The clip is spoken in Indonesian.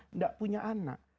tidak punya anak